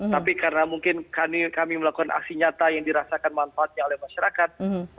tapi karena mungkin kami melakukan aksi nyata yang dirasakan manfaatnya oleh masyarakat